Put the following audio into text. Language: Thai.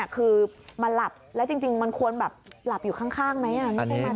คือมาหลับแล้วจริงมันควรแบบหลับอยู่ข้างไหม